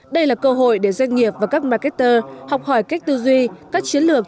đây là cơ hội để doanh nghiệp và các marketer học hỏi cách tư duy các chiến lược